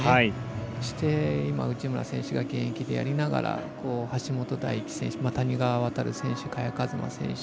そして今、内村選手が現役でやりながら橋本大輝選手谷川航選手、萱和磨選手